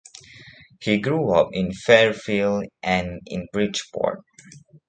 He grew up in Fairfield and in Bridgeport.